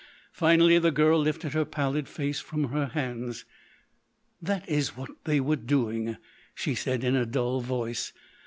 Finally the girl lifted her pallid face from her hands. "That is what they were doing," she said in a dull voice.